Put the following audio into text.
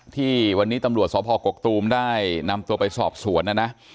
ที่วันนี้ตำรวจสพกกตูมได้นำตัวไปสอบสวนนะนะ